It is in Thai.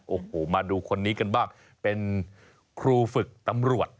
โอ้โหมาดูคนนี้กันบ้างเป็นครูฝึกตำรวจ